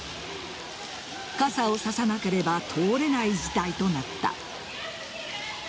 傘を差さなければ通れない事態となった。